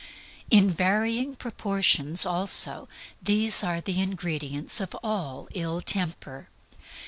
In varying proportions, also, these are the ingredients of all ill temper.